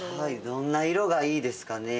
どんな色がいいですかね。